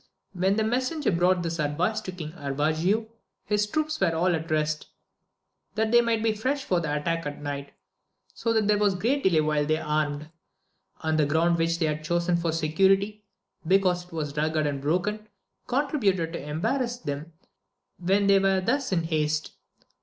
When the messenger brought this advice to Ring Aravigo, his troops were all at rest, that they might be fresh for the attack at night, so that there was a great delay while they armed ; and the ground which they had chosen for security, because it was rugged and broken, contributed to embarrass them when they were thus in haste.